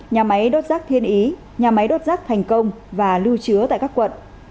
nhà máy đốt rác thiên ý nhà máy đốt rác thành công và lưu chứa tại các quận